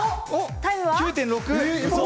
９．６。